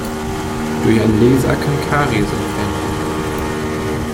Durch einen Laser kann Karies entfernt werden.